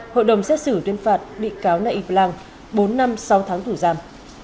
hội đồng xét xử tuyên phạt bị cáo nay yip lang bốn năm sáu tháng thủ giam